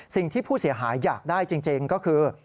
สิ่งที่ผู้เสียหายอยากได้จริงก็คือ